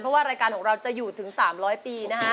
เพราะว่ารายการของเราจะอยู่ถึง๓๐๐ปีนะฮะ